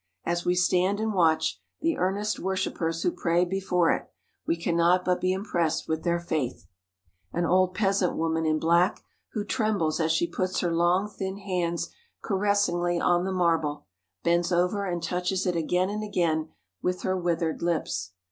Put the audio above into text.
As we stand and watch the earnest worshippers who pray before it, we cannot but be impressed with their faith. An old 8 9 THE HOLY LAND AND SYRIA peasant woman in black, who trembles as she puts her long thin hands caressingly on the marble, bends over and touches it again and again with her withered lips.